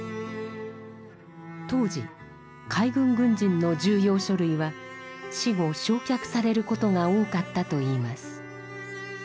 当時海軍軍人の重要書類は死後焼却される事が多かったといいます。